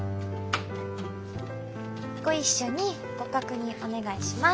ご一緒にご確認お願いします。